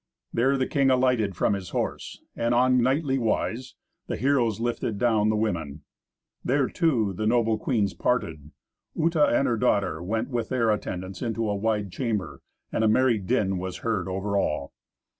There the king alighted from his horse, and, on knightly wise, the heroes lifted down the women. There, too, the noble queens parted. Uta and her daughter went with their attendants into a wide chamber, and a merry din was heard over all.